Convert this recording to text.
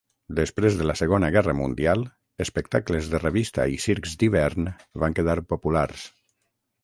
Després de la Segona Guerra Mundial, espectacles de revista i circs d'hivern van quedar populars.